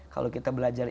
kalau kita belajar